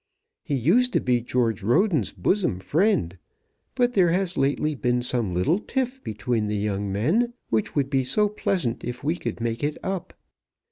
He used to be George Roden's bosom friend; but there has lately been some little tiff between the young men, which would be so pleasant if we could make it up.